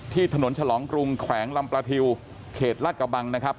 ถนนฉลองกรุงแขวงลำประทิวเขตลาดกระบังนะครับ